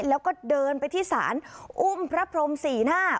แล้วก็เดินไปที่ศาลอุ้มพระพรมสี่หน้า